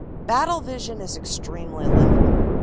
Battle vision is extremely limited.